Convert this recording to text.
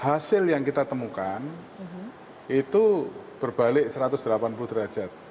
hasil yang kita temukan itu berbalik satu ratus delapan puluh derajat